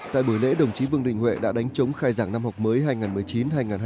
tại buổi lễ đồng chí vương đình huệ đã đánh chống khai giảng năm học mới hai nghìn một mươi chín hai nghìn hai mươi